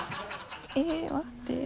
えっ待って。